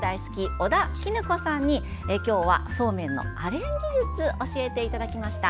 尾田衣子さんに今日はそうめんのアレンジ術を教えていただきました。